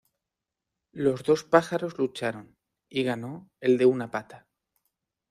Los dos pájaros lucharon, y ganó el de una pata.